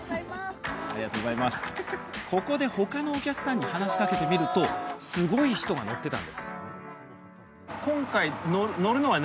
ここで他のお客さんに話しかけてみるとすごい人が乗っていたんです。